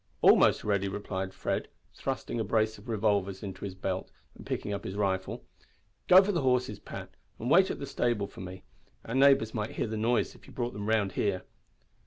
"Almost ready," replied Fred, thrusting a brace of revolvers into his belt and picking up his rifle. "Go for the horses, Pat, and wait at the stable for me. Our neighbours might hear the noise if you brought them round here."